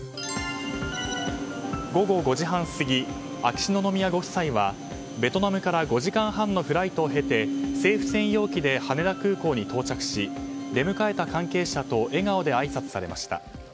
午後５時半過ぎ、秋篠宮ご夫妻はベトナムから５時間半のフライトを経て政府専用機で羽田空港に到着し出迎えた関係者と笑顔であいさつされました。